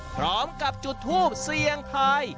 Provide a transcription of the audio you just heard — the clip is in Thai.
พร้อมกับจุธุปเสียงถ่าย